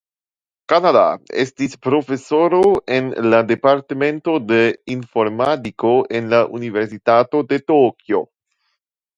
Kanada estis profesoro en la Departemento de Informadiko en la Universitato de Tokio.